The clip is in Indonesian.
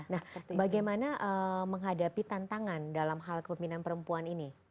nah bagaimana menghadapi tantangan dalam hal kepemimpinan perempuan ini